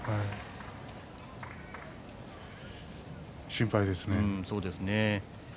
心配ですね。